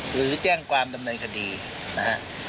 หรือแจ้งความดำเนินคดีนะฮะ